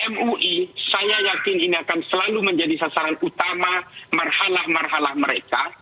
mui saya yakin ini akan selalu menjadi sasaran utama marhalah marhalah mereka